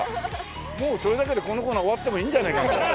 もうそれだけでこのコーナー終わってもいいんじゃない？